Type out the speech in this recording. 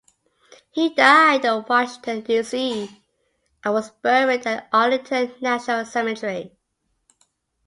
He died in Washington, D. C., and was buried at Arlington National Cemetery.